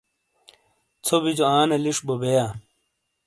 ژَھو بِیجو آنے لِش بو بئیا۔